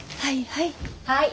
はいはい。